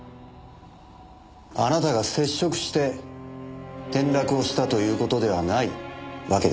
あなたが接触して転落をしたという事ではないわけですね？